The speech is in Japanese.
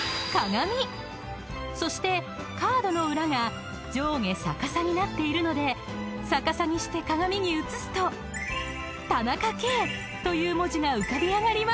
［そしてカードの裏が上下逆さになっているので逆さにして鏡に映すと「田中圭」という文字が浮かび上がります］